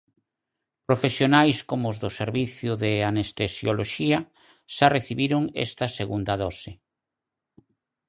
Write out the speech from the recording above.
Profesionais como os do servizo de anestesioloxía xa recibiron esta segunda dose.